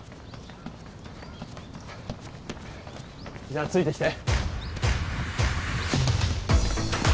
じゃあついてきて。